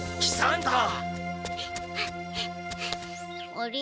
あれ？